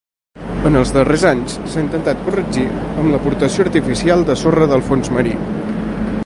En els darrers anys s'ha intentat corregir amb l'aportació artificial de sorra del fons marí.